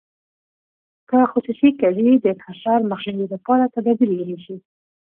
که خصوصي کوي د انحصار مخنیوي لپاره تدابیر ونیسي.